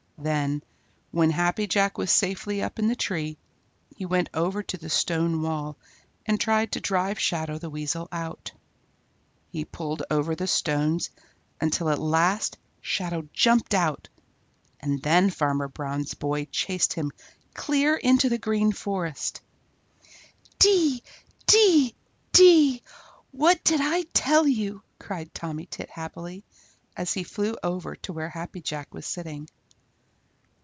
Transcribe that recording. Then, when Happy Jack was safely up in the tree, he went over to the stone wall and tried to drive Shadow the Weasel out. He pulled over the stones until at last Shadow jumped out, and then Farmer Brown's boy chased him clear into the Green Forest. "Dee, dee, dee, what did I tell you?" cried Tommy Tit happily, as he flew over to where Happy Jack was sitting.